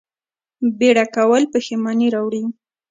بیړه کول پښیماني راوړي